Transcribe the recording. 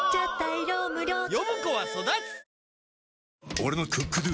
俺の「ＣｏｏｋＤｏ」！